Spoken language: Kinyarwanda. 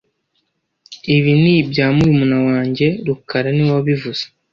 Ibi ni ibya murumuna wanjye rukara niwe wabivuze